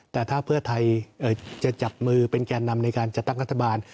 แต่ถ้าเพื่อไทยจะจับมือเป็นแก่นำในการจัดตั้งรัฐบาล